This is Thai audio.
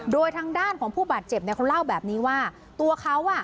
โดยทางด้านของผู้บาดเจ็บเนี่ยเขาเล่าแบบนี้ว่าตัวเขาอ่ะ